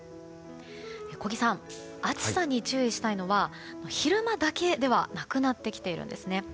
小木さん、暑さに注意したいのは昼間だけではなくなってきているんですね。